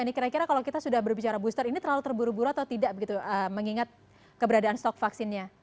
ini kira kira kalau kita sudah berbicara booster ini terlalu terburu buru atau tidak begitu mengingat keberadaan stok vaksinnya